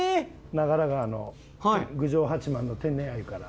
長良川の郡上八幡の天然鮎から。